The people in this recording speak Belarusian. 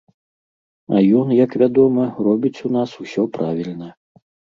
А ён, як вядома, робіць у нас усё правільна.